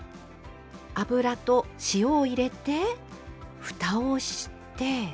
油と塩を入れてふたをして。